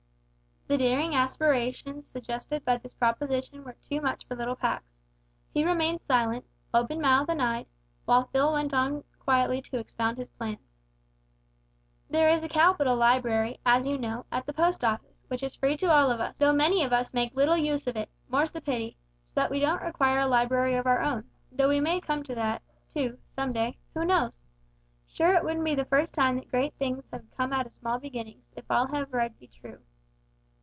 The daring aspirations suggested by this proposition were too much for little Pax. He remained silent open mouthed and eyed while Phil went on quietly to expound his plans. "There is a capital library, as you know, at the Post Office, which is free to all of us, though many of us make little use of it more's the pity, so that we don't require a library of our own, though we may come to that, too, some day, who knows? Sure it wouldn't be the first time that great things had come out of small beginnings, if all I have read be true.